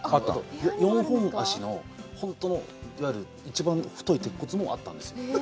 ４本脚の本当の一番太い鉄骨もあったんです。